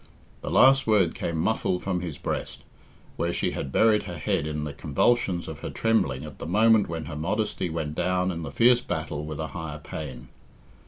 _" The last word came muffled from his breast, where she had buried her head in the convulsions of her trembling at the moment when her modesty went down in the fierce battle with a higher pain.